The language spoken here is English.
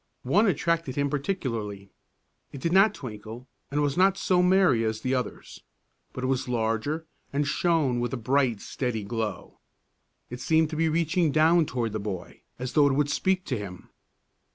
One attracted him particularly. It did not twinkle and was not so merry as the others, but it was larger and shone with a bright, steady glow. It seemed to be reaching down toward the boy as though it would speak to him.